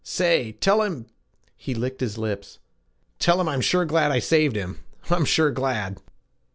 'Say, tell him, ' he licked his lips, 'tell him I'm sure glad I saved him. I'm sure glad.'